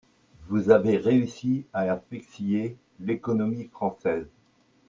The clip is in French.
Vous avez réussi à asphyxier l’économie française.